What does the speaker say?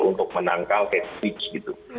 untuk menangkal catfish gitu